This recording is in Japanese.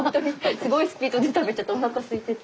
すごいスピードで食べちゃったおなかすいてて。